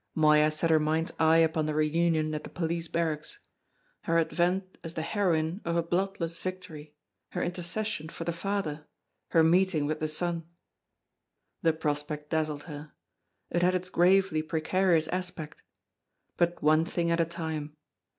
Moya set her mind's eye upon the reunion at the police barracks: her advent as the heroine of a bloodless victory, her intercession for the father, her meeting with the son. The prospect dazzled her. It had its gravely precarious aspect. But one thing at a time.